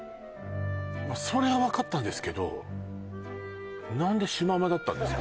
それは分かったんですけど何でシマウマだったんですか？